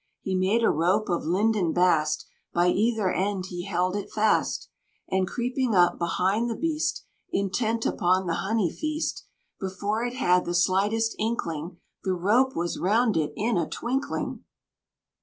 He made a rope of linden bast, By either end he held it fast, And creeping up behind the beast, Intent upon the honey feast, Before it had the slightest inkling, The rope was round it in a twinkling.